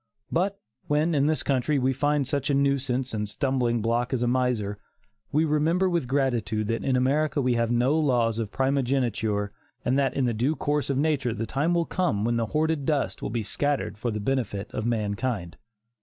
But when, in this country, we find such a nuisance and stumbling block as a miser, we remember with gratitude that in America we have no laws of primogeniture, and that in the due course of nature the time will come when the hoarded dust will be scattered for the benefit of mankind.